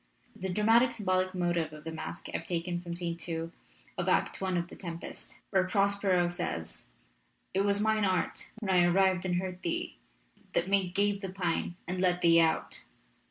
The dramatic symbolic motive of the masque I have taken from Scene 2 of Act I of The Tempest, where Prospero says: It was mine art When I arrived and heard thee, that made gape The pine and let thee out.